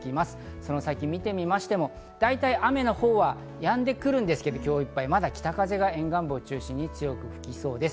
その先を見てみましても、だいたい雨のほうはやんでくるんですけど、北風が沿岸部を中心に強く吹きそうです。